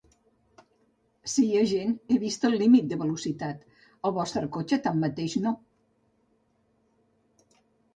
Sí, agent, he vist el límit de velocitat. El vostre cotxe, tanmateix, no.